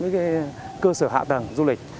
các cơ sở hạ tầng du lịch